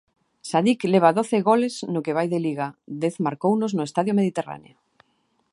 Sadiq leva doce goles no que vai de Liga, dez marcounos no Estadio Mediterráneo.